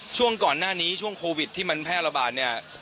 ช่วงก่อนหน้านี้ช่วงโควิดที่มันแพร่ระบาดเนี่ย